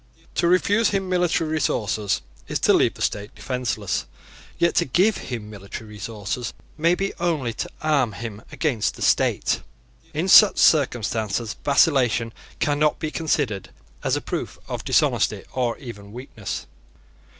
To refuse him military resources is to leave the state defenceless. Yet to give him military resources may be only to arm him against the state. In such circumstances vacillation cannot be considered as a proof of dishonesty or even of weakness.